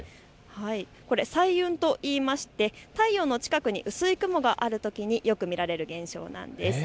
これ、彩雲といいまして太陽の近くに薄い雲があるときによく見られる現象です。